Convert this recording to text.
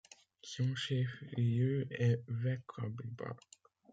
Son chef-lieu est Waikabubak.